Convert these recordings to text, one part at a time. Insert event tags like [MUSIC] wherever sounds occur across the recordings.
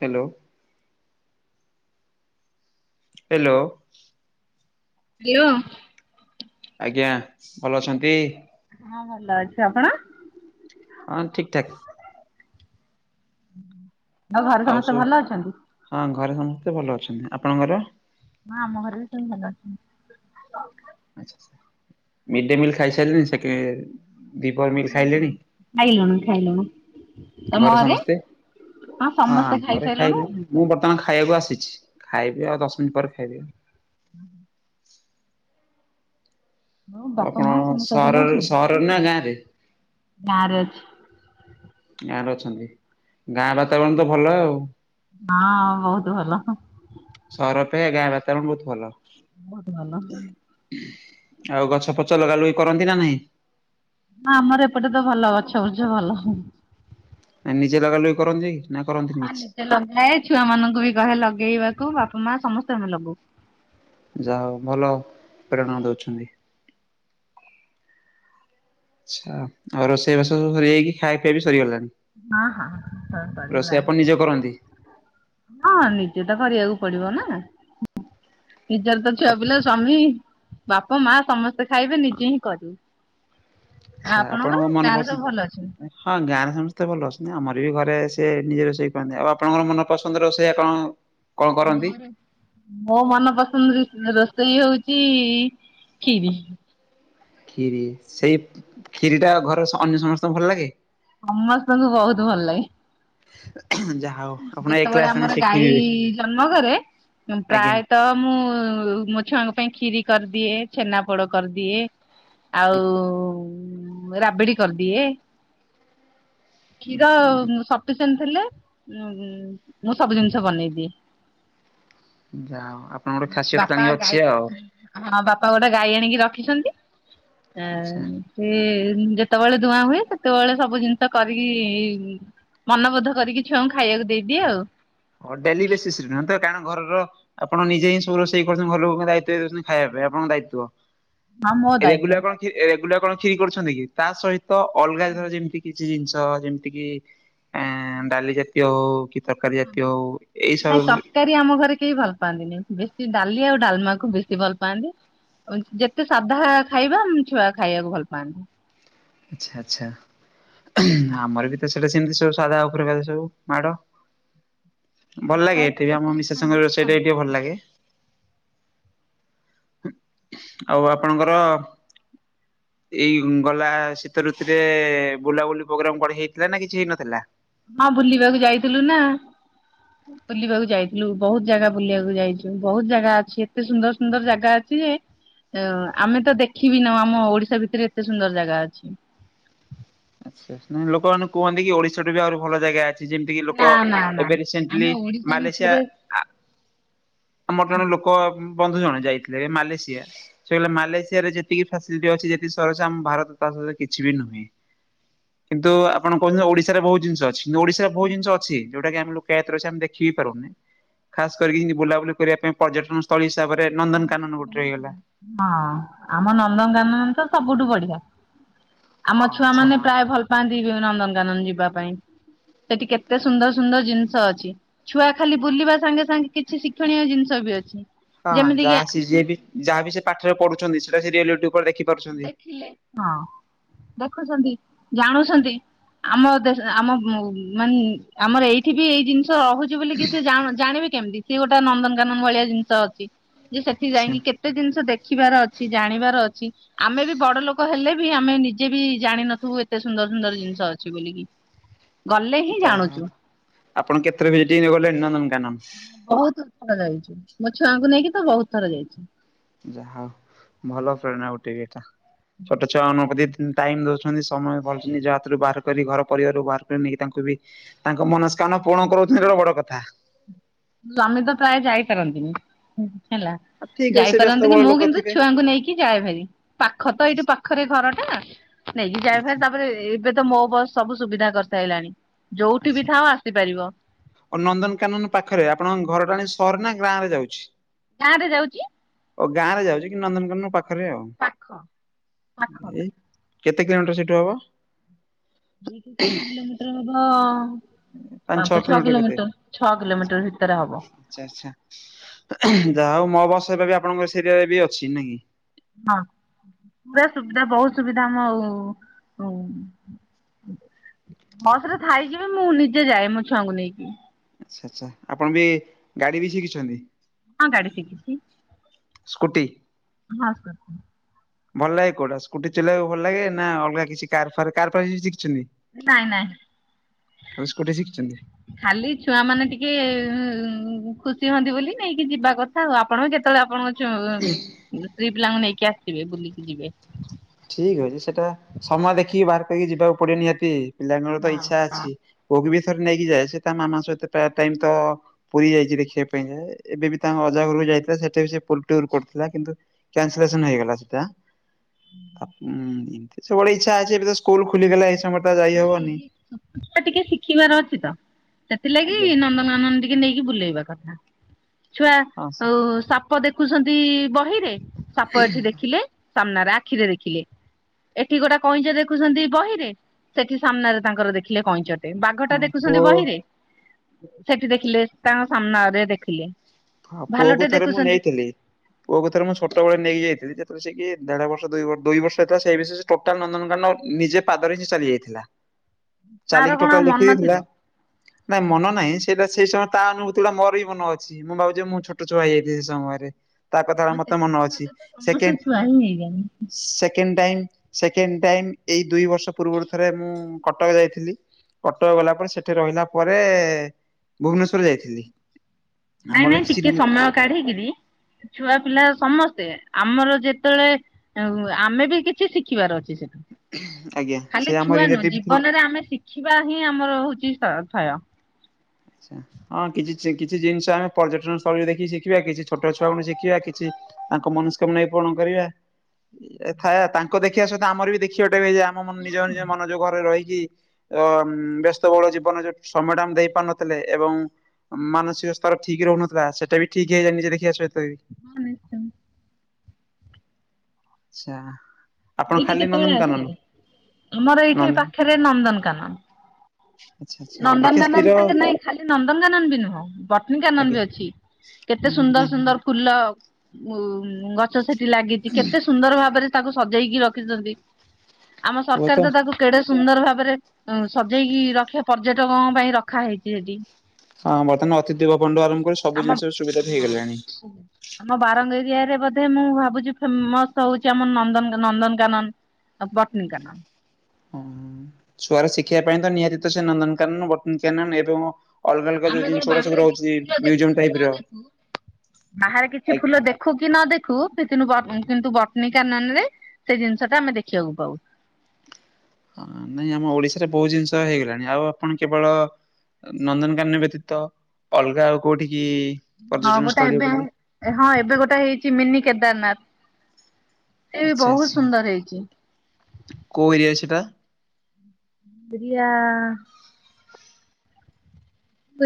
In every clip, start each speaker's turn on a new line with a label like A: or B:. A: Hello. Hello.
B: Hello.
A: ଆଜ୍ଞା ଭଲ ଅଛନ୍ତି?
B: ହଁ ଭଲ ଅଛି ଆପଣ?
A: ହଁ ଠିକ୍ ଠାକ୍।
B: ଆଉ ଘରେ ସମସ୍ତେ ଭଲ ଅଛନ୍ତି?
A: ହଁ ଘରେ ସମସ୍ତେ ଭଲ ଅଛନ୍ତି ଆପଣଙ୍କ ଘରେ?
B: ହଁ ଆମ ଘରେ ବି ସବୁ ଭଲ ଅଛନ୍ତି।
A: ଆଚ୍ଛା ଆଚ୍ଛା ମିଡ୍ ଡେ ମିଲ୍ ଖାଇସାରିଲି ସେକେ ଦିପହର ମିଲ୍
B: ହଁ ହଁ
A: ଖାଇଲେଣି
B: ଖାଇଲୁଣୁ ଖାଇଲୁଣୁ।
A: ଘରେ
B: ତମଘରେ
A: ସମସ୍ତେ?
B: ହଁ
A: ଆମ
B: ସମସ୍ତେ ଖାଇ
A: ଘରେ
B: ସାଇଲୁଣୁ।
A: ଖାଇଲେଣି ମୁଁ ବର୍ତ୍ତମାନ ଖାଇବାକୁ ଆସିଛି ଖାଇବି ଆଉ ଦଶ ମିନିଟ୍ ପରେ ଫେରିବି।
B: ହୁଁ ହୁଁ। ମୋ
A: ଆଉ
B: ବାପା
A: ଆପଣ
B: ମା ସମସ୍ତେ ଭଲ
A: ସହରରେ ସହରରେ ନା ଗାଁରେ
B: ଅଛନ୍ତି ଗାଁ ରେ ଅଛି।
A: ଗାଁରେ ଅଛନ୍ତି ଗାଁ ବାତାବରଣ ତ ଭଲ ଆଉ।
B: ହଁ ବହୁତୁ ଭଲ।
A: ସହର ପେ ଗାଁ ବାତାବରଣ ବହୁତ ଭଲ।
B: ବହୁତ ଭଲ ହଁ।
A: ଆଉ ଗଛ ଫଛ ଲଗା ଲଗି କରନ୍ତି ନା ନାହିଁ?
B: ହଁ ଆମର ଏପଟେ ତ ଭଲ ଗଛ ବୁଛ ଭଲ।
A: ନିଜେ ଲଗା ଲଗି କରନ୍ତି ନା କରନ୍ତିନି
B: ହଁ
A: କିଛି?
B: ନିଜେ ଲଗାଏ ଛୁଆ ମାନଙ୍କୁ ବି କହେ ଲଗେଇବାକୁ ବାପା ମା ସମସ୍ତେ ଆମେ ଲଗଉ।
A: ଯାହାହଉ ଭଲ ପ୍ରେରଣା ଦଉଛନ୍ତି। ଆଛା ଆଉ ରୋଷେଇବାସ ସବୁ ସରିଯାଇକି ଖାଇବା ପିଇବା ବି ସରିଗଲାଣି?
B: ହଁ -ହଁ ସବୁ
A: ରୋଷେଇ
B: ସରିଗଲାଣି।
A: ଆପଣ ନିଜେ କରନ୍ତି?
B: ହଁ ନିଜେ ତ କରିବାକୁ ପଡିବ ନା। ନିଜର ତ ଛୁଆ ପିଲା ସ୍ୱାମୀ ବାପା ମା ସମସ୍ତେ ଖାଇବେ ନିଜେ ହିଁ କରିବୁ। ଆଉ
A: ଆଚ୍ଛା
B: ଆପଣଙ୍କର
A: ଆପଣଙ୍କ
B: ଗାଁରେ ସବୁ ଭଲ ଅଛନ୍ତି?
A: ମନପସନ୍ଦ ହଁ ଗାଁରେ ସମସ୍ତେ ଭଲ ଅଛନ୍ତି ଆମର ବି ଘରେ ସିଏ ନିଜେ ରୋଷେଇ କରନ୍ତି ଆଉ ଆପଣଙ୍କର ମନ ପସନ୍ଦ ରୋଷେଇଆ କଣ କଣ କରନ୍ତି?
B: ମୋର ମୋ ମନ ପସନ୍ଦ ରୋଷେଇ ହଉଚି କ୍ଷୀରି।
A: କ୍ଷୀରି ସେଇ କ୍ଷୀରିଟା ଘରେ ଅନ୍ୟ ସମସ୍ତଙ୍କୁ ଭଲ ଲାଗେ?
B: ସମସ୍ତଙ୍କୁ ବହୁତ୍ ଭଲ ଲାଗେ।
A: ଯା।
B: ଯେତେବେଳେ ଆମର ଗାଈ ଜନ୍ମ କରେ ଉଁ-
A: ଆଜ୍ଞା।
B: ପ୍ରାୟେ ତ ମୁଁ ମୋ ଛୁଆଙ୍କ ପାଇଁ କ୍ଷୀରି କରିଦିଏ ଛେନା ପୋଡ କରିଦିଏ ଆଉ ରାବିଡି କରିଦିଏ। କ୍ଷୀର ସଫିସେଣ୍ଟ୍ ଥିଲେ ଉଁ- ମୁଁ ସବୁ ଜିନିଷ ବନେଇଦିଏ।
A: ଯାହାହଉ ଆପଣଙ୍କ ଗୋଟେ ଖାସିୟତ
B: ବାପା
A: ଜାଣିକେ
B: ଗାଈ
A: ଅଛି ଆଉ।
B: ହଁ ବାପା ଗୋଟେ ଗାଈ ଆଣିକି ରଖିଚନ୍ତି ଏ
A: ଆଚ୍ଛା।
B: ସିଏ ଯେତେବେଳେ ଦୁହାଁ ହୁଏ ସେତେବେଳେ ସବୁ ଜିନିଷ କରିକି ମନବୋଧ କରିକି ଛୁଆଙ୍କୁ ଖାଇବାକୁ ଦେଇଦିଏ ଆଉ।
A: ହଁ ଡେଲି ବେଶିସ୍ ରେ ନୁହେଁ ତ? କାରଣ ଘରର ଆପଣ ନିଜେ ହିଁ ସବୁ ରୋଷେଇ କରୁଚନ୍ତି ଘର ଲୋକଙ୍କ ଦାୟିତ୍ୱ ଦଉଚନ୍ତି। ଖାଇବା ପାଇଁ ଆପଣଙ୍କ ଦାୟିତ୍ବ।
B: ହଁ ମୋ ଦାୟିତ୍ଵ।
A: ରେଗୁଲାର୍ କଣ କ୍ଷୀରି- ରେଗୁଲାର୍ କଣ କ୍ଷୀରି କରୁଛନ୍ତି କି ତା ସହିତ ଅଲଗା ଧର ଯେମିତି କି କିଛି ଜିନିଷ ଯେମତି କି ଆଁ -ଡାଲି ଜାତିୟ ହଉ କି ତରକାରୀ ଜାତୀୟ ହଉ ଏଇ
B: ନାଇଁ
A: ସବୁ
B: ତରକାରୀ ଆମ ଘରେ କେହି ଭଲ ପାଆନ୍ତିନି। ବେଶୀ ଡାଲି ଆଉ ଡାଲ୍ମା କୁ ବେଶୀ ଭଲ ପାଆନ୍ତି। ଯେତେ ସାଧା ଖାଇବା ଛୁଆ ଖାଇବାକୁ ଭଲ ପାଆନ୍ତିି।
A: ଆଚ୍ଛା ଆଚ୍ଛା। ଆମର ବି ତ ସେଇଟା ସେମିତି ସବୁ ସାଧା ଉପରେ ଘରେ ସବୁ ମାଡ। ଭଲ ଲାଗେ ଏଠି ବି ଆମ ମିସେସ୍ ଙ୍କ ର ରୋଷେଇ ଟା ଟିକେ ଭଲ୍ ଲାଗେ। ଆଉ ଆପଣଙ୍କର ଏଇ ଗଲା ଶୀତ ଋତୁରେ ବୁଲାବୁଲି ପ୍ରୋଗ୍ରାମ୍ କଣ ହେଇଥିଲା ନା କିଛି ହେଇନଥିଲା?
B: ହଁ ବୁଲିବାକୁ ଯାଇଥିଲୁ ନା। ବୁଲିବାକୁ ଯାଇଥିଲୁ ବହୁତ୍ ଜାଗା ବୁଲିବାକୁ ଯାଇଚୁ ବହୁତ୍ ଜାଗା ଅଛି ଏତେ ସୁନ୍ଦର୍ ସୁନ୍ଦର୍ ଜାଗା ଅଛି ଯେ ଓ ଆମେ ତ ଦେଖିବି ନାଉ ଆମ ଓଡିଶା ଭିତରେ ଏତେ ସୁନ୍ଦର୍ ଜାଗା ଅଛି।
A: ଆଚ୍ଛା ନାଇଁ ଲୋକ ମାନେ କୁହନ୍ତି କି ଓଡିଶାଠୁ ବି ଆହୁରି ଭଲ ଜାଗା ଅଛି। ଯେମତି କିି ଲୋକ ଏବେ ରିସେଣ୍ଟ୍ଲି ମାଲେସିଆ ‌ଆ ଆମର ଜଣେ ଲୋକ ବନ୍ଧୁ ଜଣେ ଯାଇଥିଲେ ମାଲେସିଆ ସିଏ କହିଲେ ମାଲେସିଆ ରେ ଯେତିକି ଫାସିଲିଟି ଅଛି ଯେତିକ ସରସ ଆମ ଭାରତ ତା ତୁଳନାରେ କିଛି ବି ନୁହେଁ। କିନ୍ତୁ ଆପଣ କହୁଚନ୍ତି ଓଡିଶାରେ ବହୁତ୍ ଜିନିଷ ଅଛି କିନ୍ତୁ ଓଡିଶାରେ ବହୁତ୍ ଜିନିଷ ଅଛି ଯଉଟା କି ଆମ ଲୋକାୟତରେ ଅଛି ଆମେ ଦେଖି ବି ପାରୁନେ ଖାସ୍ କରିକି ବୁଲାବୁଲି କରିବା ପାଇଁ ପର୍ଯ୍ୟଟନସ୍ଥଳୀ ହିସାବରେ ନନ୍ଦନ କାନନ ଗୋଟେ ହେଇଗଲା
B: ହଁ ଆମ ନନ୍ଦନକାନନ ତ ସବୁଠୁ ବଢିଆ।
A: ଓ
B: ଆମ ଛୁଆ
A: ଆଚ୍ଛା।
B: ମାନେ ପ୍ରାୟେ ଭଲ ପାଆନ୍ତି ନନ୍ଦନକାନନ୍ ଯିବା ପାଇଁ। ସେଠି କେତେ ସୁନ୍ଦର ସୁନ୍ଦର ଜିନିଷ ଅଛି। ଛୁଆ ଖାଲି ବୁଲିବା ସାଙ୍ଗେ ସାଙ୍ଗେ। କିଛି ଶିକ୍ଷଣୀୟ ଜିନିଷ ବି ଅଛି ଯେମିତି କିି।
A: ଜେ ବି [UNINTELLIGIBLE] ଯାହାବି ସେ ପାଠରେ ପଢୁଛନ୍ତି। ସେଟା ସେ ରିୟଲିଟି ଉପରେ ଦେଖିବ।
B: ହଁ ଦେଖୁଛନ୍ତି ଜାଣୁଛନ୍ତି। ଆମ ଦେଶ ଆମ ମାନେ ଆମର ଏଇଠି ବି ଏଇ ଜିନିଷ ରହୁଛି। ବୁଲିକି ସେ ଜାଣି ଜାଣିବେ କେମିତି। ସି ଗୋଟେ ନନ୍ଦନକାନନ ଭଳିଆ ଜିନିଷ ଅଛି ଯେ ସେଠି
A: ଆଚ୍ଛା
B: ଯାଇକି କେ। ତେ ଜିନିଷ ଦେଖିବାର। ଅଛି ଜାଣିବାର ଅଛି। ଆମେ ବି ବଡ ଲୋକ ହେଲେ ବି, ଆମେ ନିଜେ ବି ଜାଣିିନଥିବୁ। ଏତେ ସୁନ୍ଦର ସୁନ୍ଦର ଜିନିଷ ଅଛି ବୋଲିକି। ଗଲେ ହିଁ
A: ଜା
B: ଜାଣୁଛୁ
A: ହୋଉ ଆପଣ କେତେରେ ମିଟିଙ୍ଗ୍ ଗଲେନି ନା ନାଇ।
B: ବହୁତ ଥର ଯାଇଛି। ମୋ ଛୁଆଙ୍କୁ ନେଇକି ତ ବହୁତ ଥର ଯାଇଛି।
A: ଯା ହୋଉ ଭଲ ପ୍ରେରଣା ଗୋଟେ ଏଇଟା। ଛୋଟ ଛୁଆ ମାନଙ୍କ ପ୍ରତି। ଟାଇମ ଦଉଛନ୍ତି, ସମୟ ଭଲସେ ନିଜ ହାତରୁ ବାହାର କରି। ଘର ପରିବାରରୁ ବାହାର କରି ନେଇକି ତାଙ୍କୁ ବି। ତାଙ୍କ ମନସ୍କାମନା ପୁରଣ କରାଉଛନ୍ତି। ଗୋଟ ବଡ କଥା।
B: କିନ୍ତୁ ଆମେ ତ ପ୍ରାୟ ଯାଇପାରନ୍ତି ନି। ହେଲା
A: ଠିକ ଅଛି ସେ
B: ଯାଇପାରନ୍ତି ନି।
A: ବ୍ୟସ୍ତବହୁଳ
B: ମୁଁ
A: ଲୋକ
B: କିନ୍ତୁ
A: ଥିବେ
B: ଛୁଆଙ୍କୁ ନେଇକି ଯାଏ ଭାରି। ପାଖ ତ
A: ଆଚ୍ଛା
B: ଏଇଠୁ, ପାଖରେ ଘର ଟା, ନେଇକି ଯାଇ ଫା
A: ଆଚ୍ଛା
B: ତାପରେ ଏବେ। ତ ମୋ ବସ ସବୁ ସୁବିଧା କରିସାରାଣି। ଯୋଉଠି
A: ଆଚ୍ଛା।
B: ବି ଥାଅ ଆସି ପାରିବ।
A: ଓ ନନ୍ଦନକାନନ ପାଖରେ। ଆପଣଙ୍କ ଘର ଟାଣି ସହର ନା ଗାଁ ରେ ଯାଉଛି।
B: ଗାଁ ରେ ଯାଉଛି।
A: ଓ ଗାଁ ରେ ଯାଉଛି କି ନନ୍ଦନକାନନ ପାଖରେ ଆଉ।
B: ପାଖ ପାଖ। ଟା।
A: ଏଇ କେତେ କିଲୋମିଟର ସେଠୁ ହବ।
B: ବ [UNINTELLIGIBLE] କିଲୋମିଟର ହେବ। ପାଞ୍ଚ ଛଅ କିଲୋମିଟର। ଛଅ କିଲୋମିଟର ଭିତରେ ହେବ।
A: ଆଚ୍ଛା ଆଚ୍ଛା ଯାହା ହଉ ମୋ ବସ ହେବେ ବି ଆପଣଙ୍କ ସେରିଏଲେ ବି ଅଛି ନା କି।
B: ହଁ ପୁରା ସୁବିଧା ବହୁତୁ ସୁବିଧା ଆମଓ ବସରେ ଥାଇକିବି ମୁଁ ନିଜେ ଯାଏ। ମୋ ଛୁଆଙ୍କୁ ନେଇକି।
A: ଆଚ୍ଛା ଆଚ୍ଛା ଆପଣ ବି ଗାଡି ବି ଶିଖିଚନ୍ତି?
B: ହଁ ଗାଡି ଶିଖିଚି।
A: ସ୍କୁଟି।
B: ହଁ ସ୍କୁଟି।
A: ଭଲ ଲାଗେ କୋଉଟା ସ୍କୁଟି ଚଲେଇବାକୁ ଭଲ ଲାଗେ। ନା ଅଲଗା କିଛି କାର ଫାର କାର ଫାର କିଛି ଶିଖିଚନ୍ତି?
B: ଏ ନାଇଁ ନାଇଁ।
A: ଶିଖିଛନ୍ତି?
B: ଖାଲି ଛୁଆ ମାନେ ଟିକେ ଖୁସି ହୁଅନ୍ତି, ବୋଲି ନେଇକି ଯିବା କଥା। ଆଉ ଆପଣ କେତେବେଳେ ଆପଣଙ୍କ ଚୋ ସ୍ତ୍ରୀ ପିଲାଙ୍କୁ ନେଇକି ଆସିବେ ବୁଲିକି ଯିବେ।
A: ଠିକି ଅଛି ସେଟା ସମୟ ଦେଖିକି ବାହାର କରିକି, ଯିବାକୁ ପଡେବ ନିହାତି। ପିଲାମାନଙ୍କର ତ
B: ହଁ
A: ଇଚ୍ଛା
B: ହଁ।
A: ଅଛି। ପୁଅ କୁ ବି ଥରେ ନେଇକି ଯାଏ। ସେ ତା ମାମା ସହିତପ୍ରାୟ ଟାଇମ ତ ପୁରୀ ଯାଇଚି ଦେଖିବା ପାଇଁ ଯାଏ। ଏବେ ବି ତାଙ୍କ ଅଜା ଘରକୁ ଯାଇଥିଲା। ସେଠା ବି ସେ ପୁଲୁଟୁରୁ କରୁଥିଲା କିନ୍ତୁ କ୍ୟାନ ସଲେସନ ହେଇଗଲା ସେଟା।
B: ହୁଁ।
A: ଉଁ ଏମିତି ସବୁବେଳେ ଇଚ୍ଛା ଅଛି। ଏବେ ତ ସ୍କୁଲୁ ଖୋଲିଗଲା ଏସମୟରେ।
B: ନାଇଁ ଛୋଟ ଛୁଆ ଟିକେ ଶିଖିବାର ଅଛି ତ। ସେଥିଲାଗି
A: ଆଜ୍ଞା
B: ନନ୍ଦନ ନନ୍ଦନ ଟିକେ ନେଇକି ବୁଲେଇବା କଥା। ଛୁଆ
A: ହଁ
B: ଆଉ ସାପ ପ ଦେଖୁଚନ୍ତି ବହିରେ। ସାପ ଏଠି ଦେଖିଲେ ସାମ୍ନାରେ ଆଖିରେ ଦେଖିଲି ଏଠି ଗୋଟେ କଇଁଛ ଦେଖୁଛନ୍ତି ବହିରେ ସେଠି ସାମ୍ନାରେ ତାଙ୍କର ଦେଖିଲେ କଇଁଛ ଟେ
A: ହଁ
B: ବାଘଟା ଦେଖୁଛନ୍ତି
A: ପୁଅ
B: ବହିରେ ସେଠି ଦେଖିଲେ ତାଙ୍କ ସାମ୍ନାରେ ଦେଖିଲେ
A: ହଁ ପୁଅକୁ
B: ଭାଲୁଟେ
A: ଥରେ ମୁଁ
B: ଦେଖୁଛନ୍ତି
A: ନେଇଥିଲି ପୁଅ ଥରେ ମୁଁ ଛୋଟବେଳେ ନେଇକି ଯାଇଥିଲି ଯେତେବେଳେ ସିଏକି ଦେଢ ବର୍ଷ ଦୁଇ ଦୁଇ ବର୍ଷ ହେଇଥିଲା ସେ ବୟସ ଟୋର୍ଟାଲ୍ ନନ୍ଦନକାନନ ନିଜେ ପାଦରେ ହିଁ ଚାଲି ଯାଇଥିଲା
B: ମାର
A: ଚାଲିକି
B: କଣ ଆଉ
A: ଟୋର୍ଟାଲ୍
B: ମନ ଥିବ
A: ଦେଖେଇଦେଇଥିଲା ନାଇଁ ମନ ନାହିଁ ସେଇଟା ସେଇ ସମୟରେ ତା ଅନୁଭୂତି ଗୁଡା ମୋର ବି ମନ ଅଛି ମୁଁ ଭାବୁଚି ଯେ ମୁଁ ଛୋଟ ଛୁଆ ହୋଇଯାଇଥିଲି ସେ ସମୟରେ ତା କଥା ମତେ ମନ ଅଛି
B: ସମସ୍ତେ
A: ସେକେଣ୍ଡ
B: ଛୁଆ ହିଁ ହେଇଯାନ୍ତି।
A: ସେକେଣ୍ଡେ ଟାଇମି ସେକେଣ୍ଡେ ଟାଇମି ଏଇ ଦୁଇ ବର୍ଷ ପୂର୍ବରୁ ଥରେ ମୁଁ କଟକ ଯାଇଥିଲି କଟକ ଗଲା ପରେ ସେଠି ରହିଲା ପରେ ଭୁବନେଶ୍ଵର ଯାଇଥିଲି
B: ନାଇଁ
A: ଆମର
B: ନାଇଁ
A: କିଛି
B: ଟିକେ ସମୟ କାଢ଼ି କିରି ଛୁଆ ପିଲା ସମସ୍ତେ ଆମର ଯେତେବେଳେ ଆମେ ବି କିଛି ଶିଖିବାର ଅଛି ସେଠି
A: ଆଜ୍ଞା ସେ
B: ଖାଲି
A: ଆମ
B: ଛୁଆ ନୁହଁ
A: ରିଲେଟିଭ ଥିଲେ
B: ଜୀବନରେ ଆମେ ଶିଖିବା ହିଁ ଆମର ହେଉଛି ସ୍ତର ଥୟ
A: ଆଚ୍ଛା ହଁ କିଛି ଜିନିଷ ଆମେ ପର୍ଯ୍ୟଟନ ସ୍ଥଳୀରେ ଦେଖିକି ଶିଖିବା କିଛି ଛୋଟ ଛୁଆ ଙ୍କଠୁ ଶିଖିବା କିଛି ତାଙ୍କ ମନସ୍କାମନା ପୂରଣ କରିବା ଥାଏ ତାଙ୍କ ଦେଖିବା ସହିତ ଆମର ବି ଦେଖିବାଟା ରହିଯା ଆମ ନିଜ ନିଜ ମନଯ ଘରେ ରହିକି ଅ ବ୍ୟସ୍ତବହୁଳ ଜୀବନରେ ଯୋ ସମୟଟା ଆମେ ଦେଇପାରୁନଥି ଥିଲେ ଏବଂ ମାନସିକ ସ୍ତର ଠିକି ରହୁନଥିଲା ସେଟା ବି ଠିକ୍ ହେଇଯାଏ ନିଜେ ଦେଖିବା ସହିତ ବି
B: ହଁ ନିଶ୍ଚୟ
A: ଚା
B: ଦେଇକି କେତେବେଳେ ଆସେ ଆମର ଏଇଠି
A: ନନ୍ଦ
B: ପାଖରେ ନନ୍ଦନକାନନ
A: ଆଛା ଆଛା ଦେଖିବା
B: ନନ୍ଦନକାନନ
A: ସ୍ଥିର
B: ସାଙ୍ଗେ ନାଇଁ ଖାଲି ନନ୍ଦନକାନନ ବି ନୁହଁ ବଟଣି କାନନ
A: ଆଜ୍ଞା
B: ବି ଅଛି କେତେ
A: ହୁଁ
B: ସୁନ୍ଦର
A: ନାଇଁ
B: ସୁନ୍ଦର ଫୁଲ ଉ ଗଛ ସେଠି ଲାଗିଚି କେତେ ସୁନ୍ଦର ଭାବରେ ତାକୁ ସଜେଇକି ରଖିଚନ୍ତି ଆମ ସରକାର ତ ତାକୁ କେଡ଼େ ସୁନ୍ଦର ଭାବରେ ସଜେଇକି ରଖିବା ପର୍ଯ୍ୟଟକଙ୍କ ପାଇଁ ରଖା ହେଇଛି ସେଠି
A: ହଁ ବର୍ତ୍ତମାନ ଅତିଥି ଭବନଠୁ ଆରମ୍ଭ କରି ସବୁ
B: ଆମ
A: ଜିନିଷ ସୁବଧା
B: ହଁ
A: ହେଇଗଲାଣି
B: ଆମ ବାରଙ୍ଗ ଏରିଆରେ ବୋଧେ ମୁଁ ଭାବୁଛି ଫେମସ୍ ହେଉଛି ଆମର ନନ୍ଦନ ନନ୍ଦନକାନନ ଆଉ ବଟନି କାନନ୍
A: ଛୁଆର ଶିଖିବା ପାଇଁ ତ ନିହାତି ତ ସେ ନନ୍ଦନକାନନ ବଟନି କାନନ ଏବଂ ଅଲଗା ଅଲଗା ଯୋଉ ଜିନିଷ ଗୁଡ଼ା ସବୁ ରହୁଛି ମ୍ୟୁୟୁଜମ୍ ଟାଇପିର
B: ବାହାରେ କିଛି ଫୁଲ ଦେଖୁ କି ନ ଦେଖୁ କିନ୍ତୁ ବଟନୀ କାନନରେ ସେ ଜିନିଷ ଟା ଆମେ ଦେଖିବାକୁ ପାଉ
A: ନାଇଁ ଆମ ଓଡ଼ିଶାରେ ବହୁତ ଜିନିଷ ହେଇଗଲାଣି ଆଉ ଆପଣ କେବଳ ନନ୍ଦନକାନନ ବ୍ୟତୀତ ଅଲଗା ଆଉ କୋଉଁଠିିକି
B: ହଁ ଗୋଟେ ଏବେ ହଁ ଏବେ ଗୋଟେ ହେଇଛି ମିନି କେଦାରନାଥ୍
A: ଆଚ୍ଛା ଆଚ୍ଛା କୋଉ ଏରିଆରେ ସେଟା
B: ଏରିଆ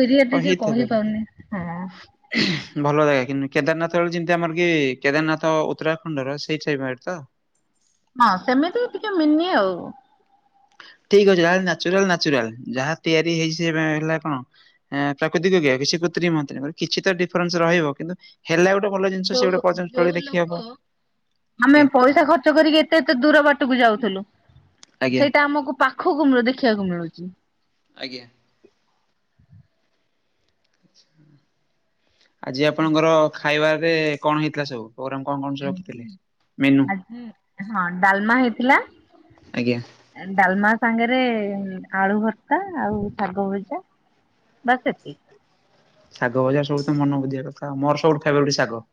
B: ଏରିଆ
A: ହଁ
B: ଟିକେ
A: ହେଇଥିବ
B: କହିପାରୁନି
A: ଭଲ ଜାଗା କିନ୍ତୁ କେଦାରନାଥର ଯେମିତି ଆମର କି କେଦାରନାଥ୍ ଉତ୍ତରାଖଣ୍ଡର ସେଇ ଟାଇପିର ତ
B: ହଁ ସେମିତି ଟିକେ ମିନି ଆଉ
A: ଠିକ୍ ଅଛି ଯାହାହେଲେ ନାଚୁରାଲ୍ ନାଚୁରାଲ୍ ଯାହା ତିଆରି ହେଇ ହେଲା କଣ ପ୍ରାକୃତିକଜ୍ଞ କିଛି କୃତ୍ରିମ ମୁଦ୍ରିତ କିଛି ତ ଡିଫରେନ୍ସ ରହିବ କିନ୍ତୁ ହେଲା ଗୋଟେ ଭଲ ଜିନିଷ ସେ ଗୋଟେ
B: ଯୋଉ
A: ପର୍ଯ୍ୟଟନସ୍ଥଳୀ
B: ଯୋଉ
A: ଦେଖି ହବ
B: ଲୋକ ଆମେ
A: ଆଜ୍ଞା
B: ପଇସା ଖର୍ଚ୍ଚ କରିକି ଏତେ ଏତେ ଦୂର ବାଟକୁ ଯାଉଥିଲୁ
A: ଆଜ୍ଞା।
B: ସେଇଟା ଆମକୁ ପାଖକୁ ଦେଖିବାକୁ ମିଳୁଛି।
A: ଆଜ୍ଞା। ଆଜି ଆପଣଙ୍କର ଖାଇବାରେ କଣ ହେଇଥିଲା ସବୁ? ପୋଗ୍ରାମ କଣ କଣ ସବୁ ରଖିଥିଲେ ମିନୁ?
B: ଆଜି ହଁ ଡାଲମା ହେଇଥିଲା।
A: ଆଜ୍ଞା।
B: ଡାଲମା ସାଙ୍ଗରେ ଆଳୁ ଭର୍ତ୍ତା ଆଉ ଶାଗ ଭଜା ବାସ୍ ଏତିକି।
A: ଶାଗ ଭଜା ସବୁ ତ ମନ ବୁଝିବାକଥା ମୋର ସବୁ ଫେବରେଟ୍ ଶାଗ।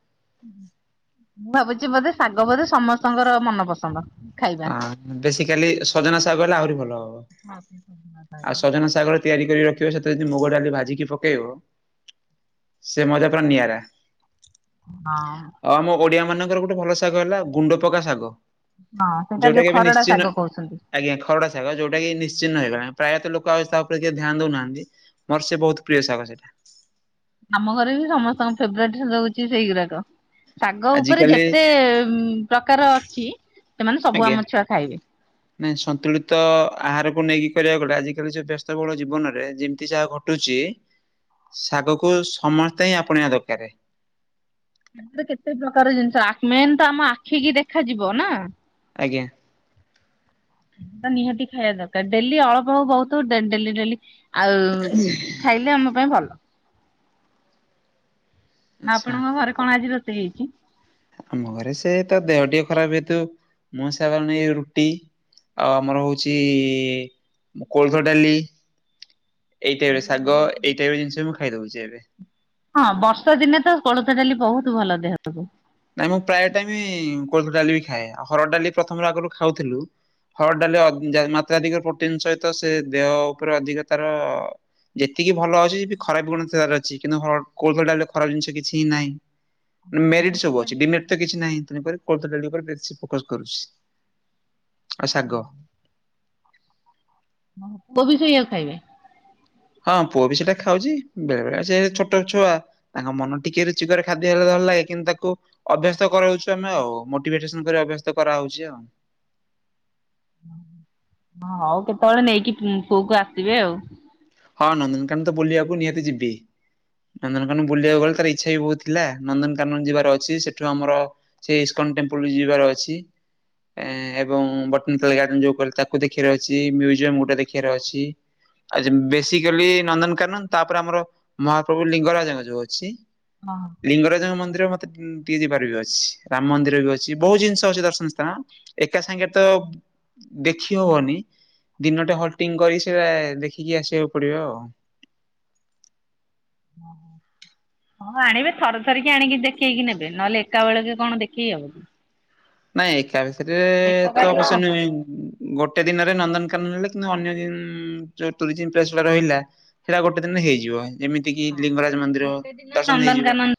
B: ମୁଁ ଭାବୁଛି ବୋଧେ ଶାଗ ବୋଧେ ସମସ୍ତଙ୍କର ମନପସନ୍ଦ।
A: ହ ବେସିକାଲି ସଜନା ସାଗ ହେଲେ ଆହୁରି ଭଲ ହବ।
B: [UNINTELLIGIBLE]
A: ଆଉ ସଜନା ଶାଗର ତିଆରି କରି ରଖିବ ସେଥିରେ ଯଦି ମୁଗ ଡାଲି ଭାଜିକି ପକେଇବ ସେ ମଜା ପୁରା ନିଆରା।
B: ହଁ।
A: ଆଉ ଆମ ଓଡିଆ ମାନଙ୍କର ଗୋଟେ ଭଲ ଶାଗ ହେଲା ଗୁଣ୍ଡପକା ଶାଗ।
B: ହଁ ସେଇଟା
A: ଯୋଉଟା
B: ଯୋଉ
A: କି ଏବେ
B: ଖରଡା
A: ନିଶ୍ଚିହ୍ନ
B: ଶାଗ କହୁଛନ୍ତି।
A: ଆଜ୍ଞା ଖରଡା ଶାଗ ଯୋଉଟା କି ନିଶ୍ଚି୍ନ ହେଇଗଲାଣି। ପ୍ରାୟତଃ ଲୋକ ଆଉ ତା ଉପରେ କିଏ ଧ୍ୟାନ ଦେଉନାହାନ୍ତି ମୋର ସେ ବହୁତ ପ୍ରିୟ ଶାଗ ସେଇଟା।
B: ଆମ ଘରେ ବି ସମସ୍ତଙ୍କ ଫେବରେଟ ରହୁଛି ସେଇଗୁରାକ। ଶାଗ ଉପରେ
A: ଆଜିକାଲି
B: ଯେତେ ପ୍ରକାର ଅଛି ସେମାନେ ସବୁ
A: ଆଜ୍ଞା।
B: ଆମ ଛୁଆ ଖାଇବେ।
A: ନାଇଁ ସନ୍ତୁଳିତ ଆହାରକୁ ନେଇକି କରିବାକୁ ଗଲେ ଆଜିକାଲି ସେ ବ୍ୟସ୍ତବହୁଳ ଜୀବନରେ ଯେମିତି ଯାହା ଘଟ ଘଟୁଚି ଶାଗ କୁ ସମସ୍ତେ ହିଁ ଆପଣେଇବା ଦରକାର।
B: ଶାଗରେ କେତେ ପ୍ରକାର ଜିନିଷ ଆଖ ମେନ୍ ତ ଆମ ଆଖି କି ଦେଖାଯିବ ନା।
A: ଆଜ୍ଞା।
B: ଶାଗ ନିହାତି ଖାଇବା ଦରକାର ଡେଲି ଅଳପ ହଉ ବହୁତ ହଉ ଡେଲି ଡେଲି ଆଉ ଖାଇଲେ ଆମ ପାଇଁ ଭଲ।
A: ଆଚ୍ଛା
B: ଆପଣଙ୍କ ଘରେ କଣ ଆଜି ରୋଷେଇ ହେଇଛି?
A: ଆମ ଘରେ ସେ ତ ଦେହ ଟିକେ ଖରାପ ହେତୁ ମୋ ସେ [UNINTELLIGIBLE] ରୁଟି ଆଉ ଆମର ହଉଛି କୋଳଥ ଡାଲି ଏଇ ଟାଇପ ରେ ଶାଗ ଏଇ ଟାଇପ ର ଜିନିଷ ମୁଁ ଖାଇଦଉଛି ଏବେ।
B: ହଁ ବର୍ଷା ଦିନେ ତ କୋଳଥ ଡାଲି ବହୁତ ଭଲ ଦେହ [UNINTELLIGIBLE]
A: ନାଇଁ ମୁଁ ପ୍ରାୟ ଟାଇମ କୋଳଥ ଡାଲି ବି ଖାଏ। ଆଉ ହରଡ଼ ଡାଲି ପ୍ରଥମରୁ ଆଗରୁ ଖାଉଥିଲୁ ହରଡ଼ ଡାଲିରେ ଅଧି ମାତ୍ରାଧିକ ପ୍ରୋଟିନ ସହିତ ସେ ଦେହ ଉପରେ ଅଧିକ ତାର ଯେତିକି ଭଲ ଅଛି ସେତିକି ଖରାପ ଗୁଣ ବି ତାର ଅଛି କିନ୍ତୁ ହର କୋଳଥ ଡାଲିର ଖରାପ ଜିନିଷ କିଛି ହିଁ ନାହିଁ। ମେରିଟ୍ ସବୁ ଅ [UNINTELLIGIBLE] [UNINTELLIGIBLE] କିଛି ନାହିଁ ତେଣୁ କରି କୋଳଥ ଡାଲି ଉପରେ ବେଶୀ ଫୋକସ କରୁଛି ଆଉ ଶାଗ।
B: ପୁଅ ବି ସେଇଆକୁ ଖାଇବେ।
A: ହଁ ପୁଅ ବି ସେଇଟା ଖାଉଛି ବେଳେ ବେଳେ ସେ ଛୋଟ ଛୁଆ ତାଙ୍କ ମନ ଟିକେ ରୁଚିକରେ ଖାଦ୍ୟ ହେଲେ ଭଲ ଲାଗେ କିନ୍ତୁ ତାକୁ ଅଭ୍ୟସ୍ତ କରାଉଛୁ ଆମେ ଆଉ ମୋଟିଭେଟସନ କରି ଅଭ୍ୟସ୍ତ କରାହେଉଛି ଆଉ।
B: ହଁ ହଉ କେତେବେଳେ ନେଇକି ପୁଅକୁ ଆସିବେ ଆଉ।
A: ହଁ ନନ୍ଦନକାନନ ତ ବୁଲିବାକୁ ନିହାତି ଯିବି। ନନ୍ଦନକାନନ ବୁଲିବାକୁ ଗଲେ ତାର ଇଚ୍ଛା ବି ବହୁତ ଥିଲା ନନ୍ଦନକାନନ ଯିବାର ଅଛି ସେଠୁ ଆମର ସେ ଇସ୍କନ ଟେମ୍ପୁଲ ଯିବାର ଅଛି। ଏଁ ଏଁ ଏବଂ ବଟନିକାଲ ଗାର୍ଡେନ ଯୋଉ କହିଲେ ତାକୁ ଦେଖିବାର ଅଛି ମ୍ୟୁଜିୟମ ଗୋଟେ ଦେଖିବାର ଅଛି। ଆଜି ବେସିକାଲି ନନ୍ଦନକାନନ ତାପରେ ଆମର ମହାପ୍ରଭୁ ଲିଙ୍ଗରାଜଙ୍କ ଯୋଉ ଅଛି
B: ହଁ।
A: ଲିଙ୍ଗରାଜଙ୍କ ମନ୍ଦିର ମତେ ଟିନ୍ ଟିକେ ଯିବାର ବି ଅଛି ରାମ ମନ୍ଦିର ବି ଅଛି ବହୁତ ଜିନିଷ ଅଛି ଦର୍ଶନ ସ୍ଥାନ। ଏକା ସାଙ୍ଗେରେ ତ ଦେଖି ହବନି ଦିନଟେ ହଲଟିଙ୍ଗ କରି ସେରା ଏ ଦେଖିକି ଆସିବାକୁ ପଡ଼ିବ ଆଉ।
B: ନାହିଁ। ହଁ ଆଣିବେ ଥର ଥରକି ଆଣିକି ଦେଖେଇକି ନେବେ ନହେଲେ ଏକାବଳେକେ କଣ ଦେଖେଇ ହବ କି?
A: ନାଇଁ ଏକା ଭିସରେ ଏ ଏ ତ ଅବଶ୍ୟ ନୁହେଇଁ। ଗୋଟେ ଦିନରେ ନନ୍ଦନକାନନ ନେଲେ କିନ୍ତୁ ଅନ୍ୟ ଯେଉଁ ଉଁ ଉଁ ଉଁ ଯୋଉ ଟୁରିଜିମ୍ ପ୍ଲେସ ଗୁଡ଼ା ରହିଲା ହେରା ଗୋଟେ ଦିନରେ ହେଇଯିବ ଯେମିତି କିି ଲିଙ୍ଗରାଜ ମନ୍ଦିର
B: ଗୋଟେ ଦିନ
A: ଦର୍ଶନ ହେଇଯିବ।
B: ନନ୍ଦନକାନନ